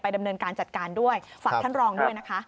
ดำเนินการจัดการด้วยฝากท่านรองด้วยนะคะ